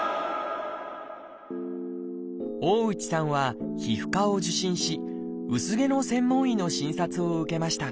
大内さんは皮膚科を受診し薄毛の専門医の診察を受けました。